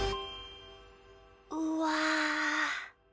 うわ！